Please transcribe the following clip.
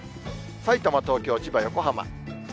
さいたま、東京、千葉、横浜。